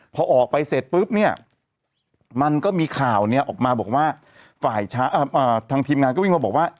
พอออกไปเสร็จปุ๊บเนี่ยมันก็มีข่าวเนี่ยออกมาบอกว่าฝ่ายทางทีมงานก็วิ่งมาบอกว่า